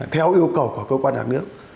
theo yêu cầu của cơ quan đảng nước